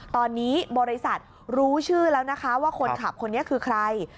ตอนนี้บริษัทรู้ชื่อแล้วนะคะว่าคนขับคนนี้คือใคร